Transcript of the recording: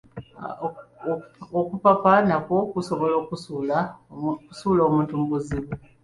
Okupapa nakwo kusobola okusuula omuntu mu bizibu.